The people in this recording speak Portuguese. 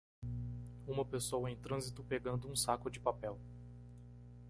Uma pessoa em trânsito pegando? um saco de papel.